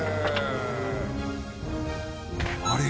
あれ？